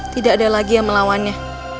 tidak ada lagi yang melawannya